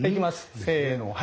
せの。